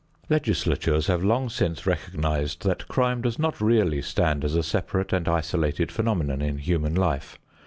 Legislatures have long since recognized that crime does not really stand as a separate and isolated phenomenon in human life.